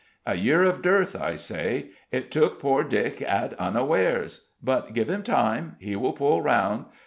A year of dearth, I say. It took poor Dick at unawares. But give him time: he will pull round.